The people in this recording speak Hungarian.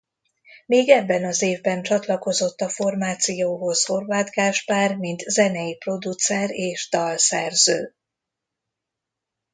Még ebben az évben csatlakozott a formációhoz Horváth Gáspár mint zenei producer és dalszerző.